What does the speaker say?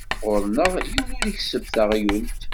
Ɣur-neɣ yiwen ur ikesseb taɣyult.